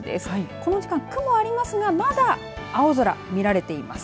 この時間、雲はありますがまだ青空みられています。